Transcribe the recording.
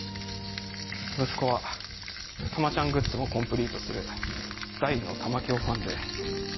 息子はたまちゃんグッズもコンプリートする大の玉響ファンで。